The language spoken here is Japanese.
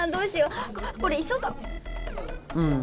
うん。